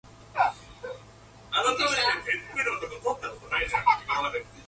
Jones also attended the famous Saint Paul's College, Auckland.